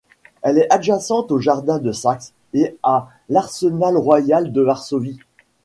Elle est adjacente au jardin de Saxe et à l'arsenal royal de Varsovie.